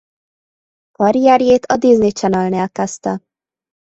Karrierjét a Disney Channelnél kezdte.